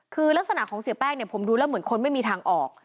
คือลักษณะของเสียแป้งเนี่ยผมดูแล้วเหมือนคนไม่มีทางออก